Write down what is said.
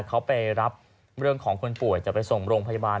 เขาไปรับเรื่องของคนป่วยจะไปส่งโรงพยาบาล